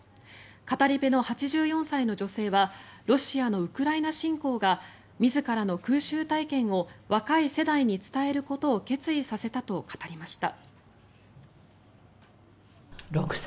語り部の８４歳の女性はロシアのウクライナ侵攻が自らの空襲体験を若い世代に伝えることを決意させたと語りました。